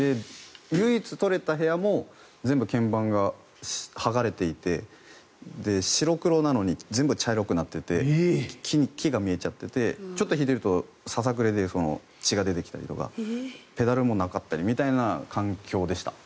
唯一取れた部屋も全部鍵盤が剥がれていて白黒なのに全部茶色くなってて木が見えちゃっていてちょっと弾いているとささくれで血が出てきたりとかペダルもなかったりみたいな環境でした。